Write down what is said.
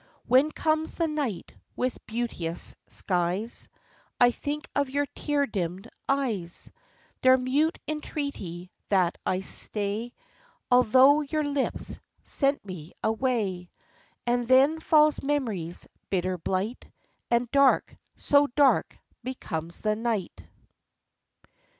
When comes the night with beauteous skies, I think of your tear dimmed eyes, Their mute entreaty that I stay, Although your lips sent me away; And then falls memory's bitter blight, And dark so dark becomes the night.